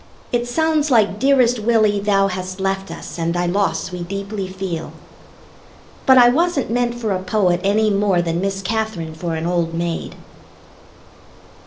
It sounds like "Dearest Willie, thou hast left us, and thy loss we deeply feel." But I wasn't meant for a poet any more than Miss Katherine for an old maid.